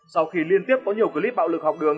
sau khi liên tiếp có nhiều clip bạo lực học đường